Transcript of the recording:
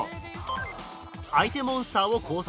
相手モンスターを拘束。